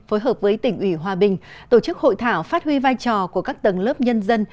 phối hợp với tỉnh ủy hòa bình tổ chức hội thảo phát huy vai trò của các tầng lớp nhân dân